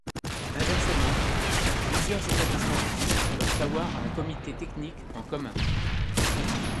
Inversement, plusieurs établissements publics peuvent avoir un comité technique en commun.